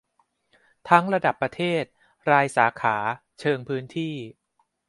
ทั้งระดับประเทศ รายสาขา เชิงพื้นที่